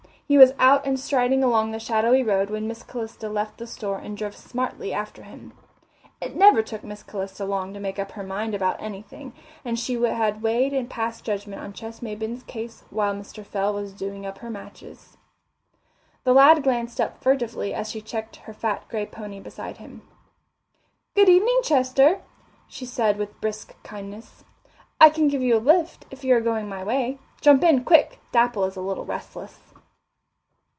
He was out and striding along the shadowy road when Miss Calista left the store and drove smartly after him. It never took Miss Calista long to make up her mind about anything, and she had weighed and passed judgement on Ches Maybin's case while Mr. Fell was doing up her matches. The lad glanced up furtively as she checked her fat grey pony beside him. "Good evening, Chester," she said with brisk kindness. "I can give you a lift, if you are going my way. Jump in, quick Dapple is a little restless."